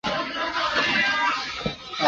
祖父朱子庄。